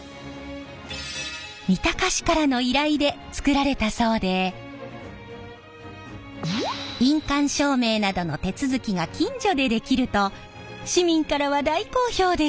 三鷹市からの依頼で作られたそうで印鑑証明などの手続きが近所でできると市民からは大好評でした！